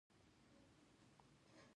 ایا ماشومان مو لوبې کوي؟